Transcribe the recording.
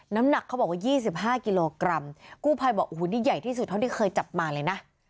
น้ำหนักเขาบอกว่า๒๕กิโลกรัมกู้ภัยบอกโอ้โหนี่ใหญ่ที่สุดเท่าที่เคยจับมาเลยนะ